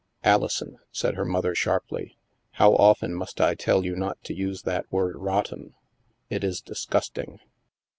" Alison," said her mother sharply, " how often must I tell you not to use that word * rotten '? It is disgusting."